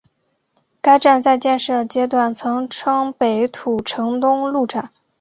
该站在建设阶段曾称北土城东路站。